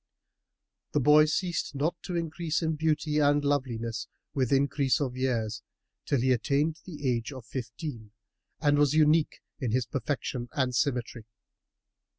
The boy ceased not to increase in beauty and loveliness with increase of years, till he attained the age of fifteen and was unique in his perfection and symmetry.